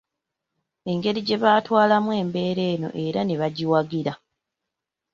Engeri gyebatwalamu embeera eno era ne bagiwagira.